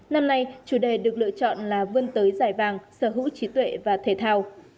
năm nay chủ đề được lựa chọn là vươn tới giải vàng sở hữu trí tuệ và thể thao